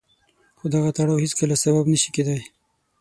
خو دغه تړاو هېڅکله سبب نه شي کېدای.